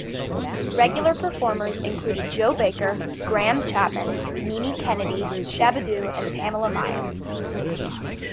Regular performers included Joe Baker, Graham Chapman, Mimi Kennedy, Shabba-Doo and Pamela Myers.